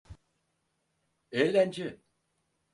Eğlence!